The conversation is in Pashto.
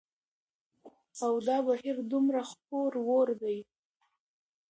او دا بهير دومره خپور وور دى